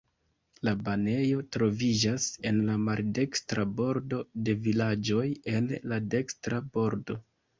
La banejo troviĝas en la maldekstra bordo, la vilaĝoj en la dekstra bordo.